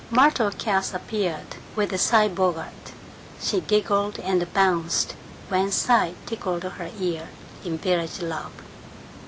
Myrtle Cass appeared, with Cy Bogart. She giggled and bounced when Cy tickled her ear in village love.